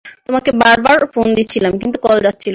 তোমাকে বারবার ফোন দিচ্ছিলাম কিন্তু কল যাচ্ছিল না!